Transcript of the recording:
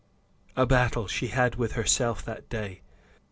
A battle she had with herself that day.